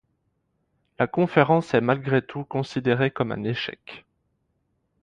La conférence est malgré tout considérée comme un échec.